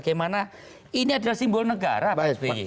karena ini adalah simbol negara pak sby